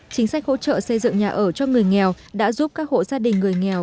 chính sách hỗ trợ xây dựng nhà ở cho người nghèo đã giúp các hộ gia đình người nghèo